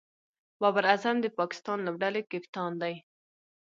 بابر اعظم د پاکستان لوبډلي کپتان دئ.